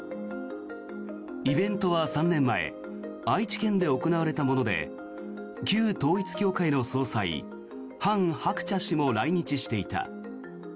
イベントは３年前愛知県で行われたもので旧統一教会の総裁ハン・ハクチャ氏も来日していた。